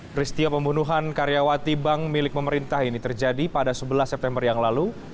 peristiwa pembunuhan karyawati bank milik pemerintah ini terjadi pada sebelas september yang lalu